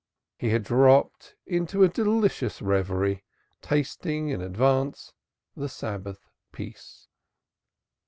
He had dropped into a delicious reverie tasting in advance the Sabbath peace.